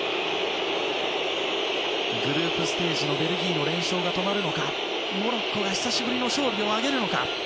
グループステージのベルギーの連勝が止まるのかモロッコが久しぶりの勝利を挙げるのか。